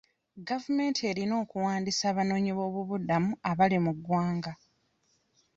Gavumenti erina okuwandiisa abanoonyiboobubudamu abali mu ggwanga.